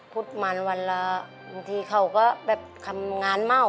พุทธมันวันละบางทีเขาก็แบบทำงานเม่า